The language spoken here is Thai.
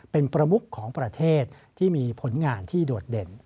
เป็นประมุขของประเทศที่มีผลงานที่โดดเด่น